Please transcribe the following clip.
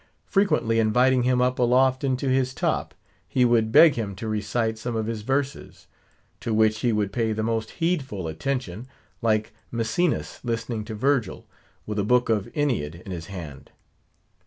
Frequently, inviting him up aloft into his top, he would beg him to recite some of his verses; to which he would pay the most heedful attention, like Maecenas listening to Virgil, with a book of Aeneid in his hand.